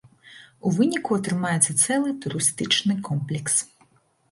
У выніку атрымаецца цэлы турыстычны комплекс.